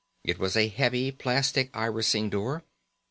It was a heavy plastic irising door.